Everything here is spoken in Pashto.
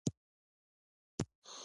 ایا ستاسو روزنه به سالمه نه وي؟